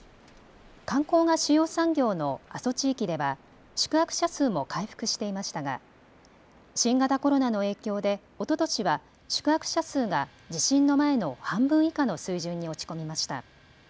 観光が主要産業の阿蘇地域では宿泊者数も回復していましたが新型コロナの影響でおととしは宿泊者数が地震の前の半分以下の水準に落ち込みました。